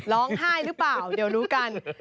ร้องไห้หรือเปล่าเดี๋ยวรู้กัน